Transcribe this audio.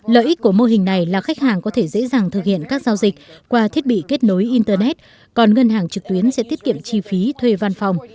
lợi ích của mô hình này là khách hàng có thể dễ dàng thực hiện các giao dịch qua thiết bị kết nối internet còn ngân hàng trực tuyến sẽ tiết kiệm chi phí thuê văn phòng